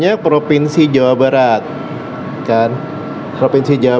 tapi kita punya makhluk makhluknya